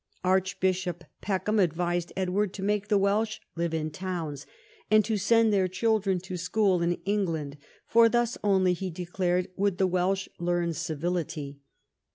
Archbishop Peckham advised Edward to make the Welsh live in towns and to send their children to school in England, for thus only, he declared, would the Welsh learn "civility."